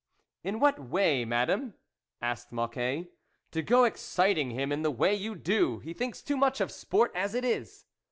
2 " In what way, Madame ?" asked Moc quet. "To go exciting him in the way you do ; he thinks too much of sport as it is."